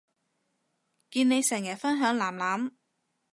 見你成日分享囡囡